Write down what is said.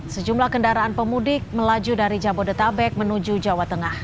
sejumlah kendaraan pemudik melaju dari jabodetabek menuju jawa tengah